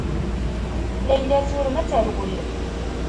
Layla turem ad terwel.